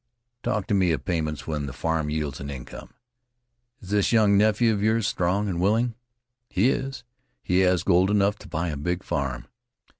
"Talk to me of payment when the farm yields an income. Is this young nephew of yours strong and willing?" "He is, and has gold enough to buy a big farm."